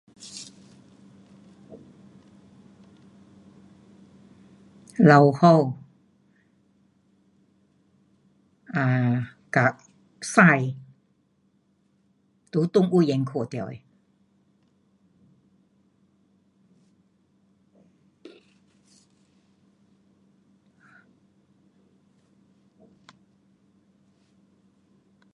老虎 um 跟狮。在动物园看到的。